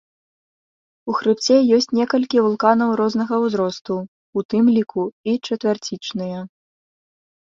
У хрыбце ёсць некалькі вулканаў рознага ўзросту, у тым ліку і чацвярцічныя.